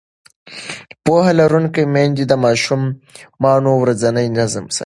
پوهه لرونکې میندې د ماشومانو ورځنی نظم ساتي.